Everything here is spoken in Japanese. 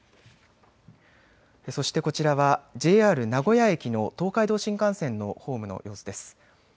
そしてこちらはＪＲ名古屋駅の東海道新幹線のホームの様子です。